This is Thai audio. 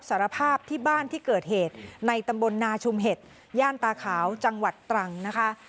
สารภาพที่บ้านที่เกิดเหตุในตำบลนาชุมเห็ดย่านตาขาวจังหวัดตรังนะคะ